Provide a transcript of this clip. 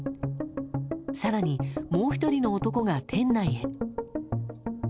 更に、もう１人の男が店内へ。